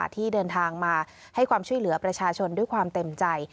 ที่เดินทางมาให้ความช่วยเหลือประชาชนด้วยความเต็มใจ